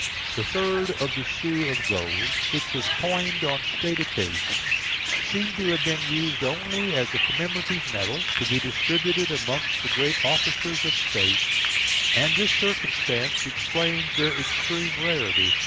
The third of the sou of gold, which was coined on state occasions, seems to have been used only as a commemorative medal, to be distributed amongst the great officers of state, and this circumstance explains their extreme rarity.